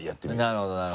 なるほどなるほど。